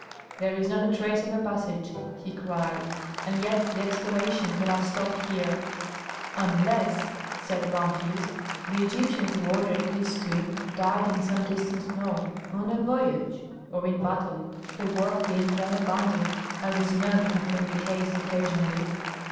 "There is not a trace of a passage!" he cried; "and yet the excavation cannot stop here." "Unless," said Rumphius, "the Egyptian who ordered this tomb died in some distant nome, on a voyage, or in battle, the work being then abandoned, as is known to have been the case occasionally."